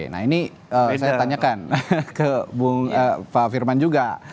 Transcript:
nah ini saya tanyakan ke pak firman juga